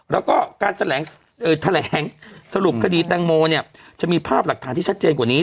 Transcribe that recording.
แล้วก็การแถลงสรุปคดีแตงโมเนี่ยจะมีภาพหลักฐานที่ชัดเจนกว่านี้